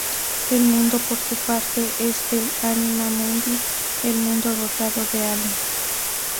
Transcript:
El mundo, por su parte, es el "anima mundi", el mundo dotado de alma.